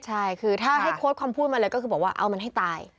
ใช่คือถ้าให้โค้ดคำพูดมาเลยก็คือบอกว่าเอามันให้ตาย